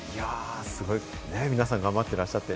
すごい皆さん頑張ってらっしゃって。